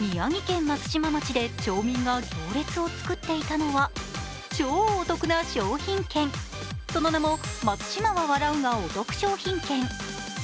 宮城県松島町で町民が行列を作っていたのは超お得な商品券、その名も松島は笑うがお得商品券。